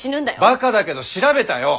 ばかだけど調べたよ！